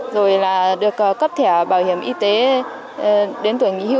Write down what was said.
rồi là được cấp thẻ bảo hiểm y tế đến tuổi nghỉ hưu